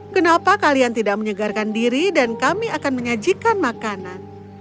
kenapa kalian tidak menyegarkan diri dan kami akan menyajikan makanan